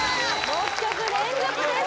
６曲連続です